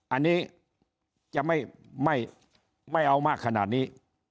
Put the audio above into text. อันนี้จะไม่เอามากขนาดนี้